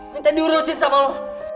minta diurusin sama lu